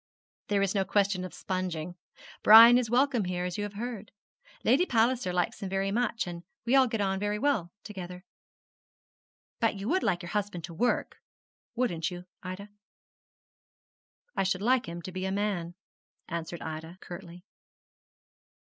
'There is no question of sponging. Brian is welcome here, as you have heard. Lady Palliser likes him very much, and we all get on very well together.' 'But you would like your husband to work, wouldn't you, Ida?' 'I should like him to be a man,' answered Ida, curtly.